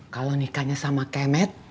kalau nikahnya sama kemet